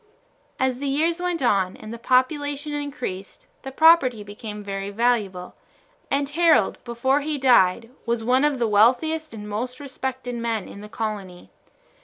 As years went on and the population increased the property became very valuable, and Harold, before he died, was one of the wealthiest and most respected men in the colony.